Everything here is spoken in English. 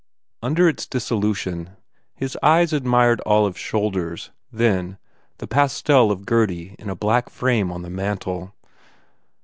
Under its dissolution his eyes ad mired Olive s shoulders then, the pastel of Gurdy in a black frame on the mantel.